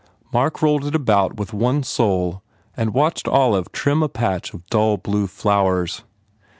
Mark rolled it about with one sole and watched Olive trim a patch of dull blue flowers.